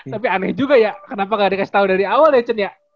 tapi aneh juga ya kenapa nggak dikasih tahu dari awal ya sen ya